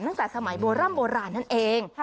ตั้งแต่สมัยโบร่ำโบราณนั่นเอง